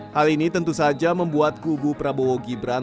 hal ini tentu saja membuat kubu prabowo gibran